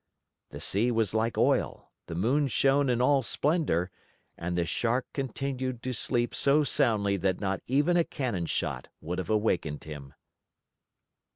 The sea was like oil, the moon shone in all splendor, and the Shark continued to sleep so soundly that not even a cannon shot would have awakened him.